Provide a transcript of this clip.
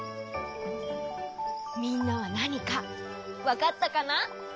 みんなはなにかわかったかな？